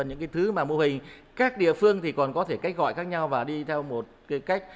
những thứ mà mô hình các địa phương còn có thể cách gọi khác nhau và đi theo một cách